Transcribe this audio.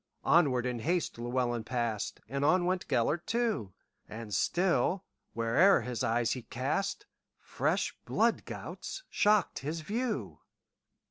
Onward, in haste, Llewelyn passed, And on went Gêlert too; And still, where'er his eyes he cast, Fresh blood gouts shocked his view.